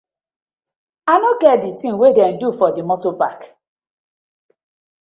I no get di tin wey dem do for di motor park.